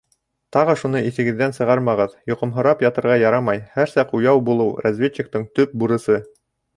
Тағы, шуны иҫегеҙҙән сығармағыҙ: йоҡомһорап ятырға ярамай, һәр саҡ уяу булыу разведчиктың төп бурысы.